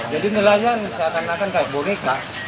jadi nelayan saya karenakan kayak boneka